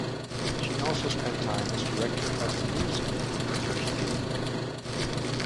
She also spent time as director of the New Zealand Writers Guild.